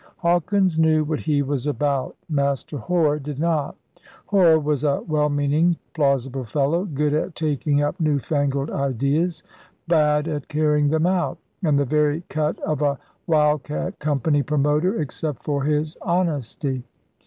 Hawkins knew what he was about. 'Master Hore' did not. Hore was a well meaning, plaus ible fellow, good at taking up new fangled ideas, bad at carrying them out, and the very cut of a wildcat company promoter, except for his honesty.